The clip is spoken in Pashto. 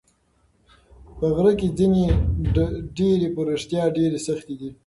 په غره کې ځینې ډبرې په رښتیا ډېرې سختې دي.